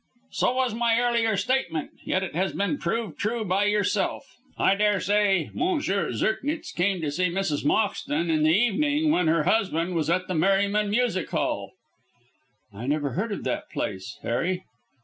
"So was my earlier statement, yet it has been proved true by yourself. I daresay M. Zirknitz came to see Mrs. Moxton in the evening when her husband was at the Merryman Music Hall." "I never heard of that place, Harry."